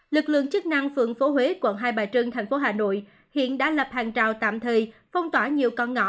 lực lượng chức năng phường phú huế quận hai bà trưng tp hcm hiện đã lập hàng trào tạm thời phong tỏa nhiều con ngõ